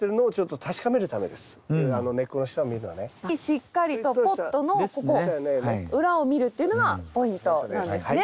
しっかりとポットのここ裏を見るっていうのがポイントなんですね。